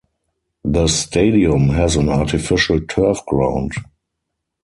The stadium has an artificial turf ground.